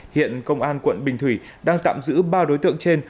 hiện công an quận bình thủy đang tạm giữ ba đối tượng trên